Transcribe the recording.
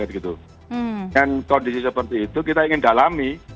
dengan kondisi seperti itu kita ingin dalami